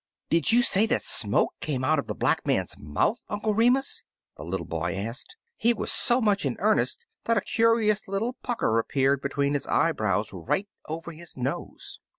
*'Did you say that smoke came out of 43 Uncle Remus Returns the Black Man's mouth, Uncle Remus?" the little boy asked. He was so much in earnest that a curious little pucker ap peared between his eyebrows right over his nose.